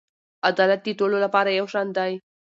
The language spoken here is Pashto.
عدالت د ټولو لپاره یو شان دی.